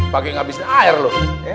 pakek enggak bisa air loh